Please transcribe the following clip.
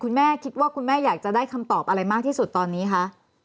คุณแม่คิดว่าคุณแม่อยากจะได้คำตอบอะไรมากที่สุดตอนนี้คะ